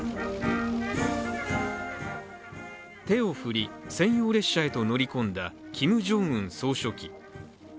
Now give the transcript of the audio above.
手を振り、専用列車へと乗り込んだキム・ジョンウン総書記。